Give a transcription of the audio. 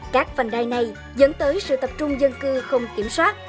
các vành đai này dẫn tới sự tập trung dân cư không kiểm soát